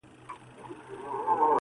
ما چي د ميني په شال ووهي ويده سمه زه.